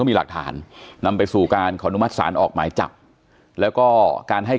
มีหลักฐานนำไปสู่การขอนุมัติศาลออกหมายจับแล้วก็การให้